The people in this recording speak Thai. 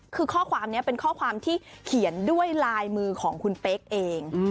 คือข้อความนี้เป็นข้อความที่เขียนด้วยลายมือของคุณเป๊กเอง